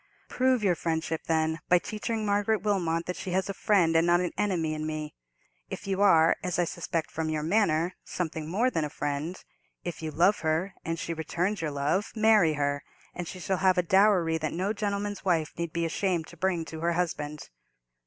"Prove your friendship, then, by teaching Margaret Wilmot that she has a friend and not an enemy in me. If you are—as I suspect from your manner—something more than a friend: if you love her, and she returns your love, marry her, and she shall have a dowry that no gentleman's wife need be ashamed to bring to her husband."